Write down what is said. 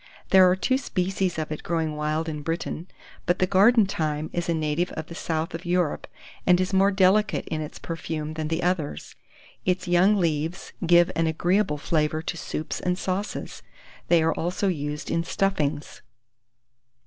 There are two species of it growing wild in Britain, but the garden thyme is a native of the south of Europe, and is more delicate in its perfume than the others. Its young leaves give an agreeable flavour to soups and sauces; they are also used in stuffings.